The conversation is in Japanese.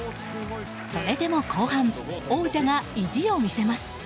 それでも後半王者が意地を見せます。